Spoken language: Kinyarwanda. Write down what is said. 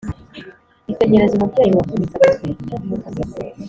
Itegereze umubyeyi Wavunitse agutwite